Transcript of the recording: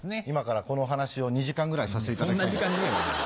今からこの話を２時間ぐらいさせていただきたい。